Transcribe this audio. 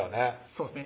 そうですね